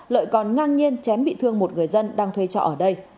lợi còn ngang nhiên chém bị thương một người dân đang thuê trọ ở đây